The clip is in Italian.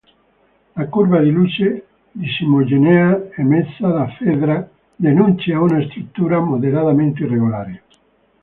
La curva di luce disomogenea emessa da Fedra denuncia una struttura moderatamente irregolare.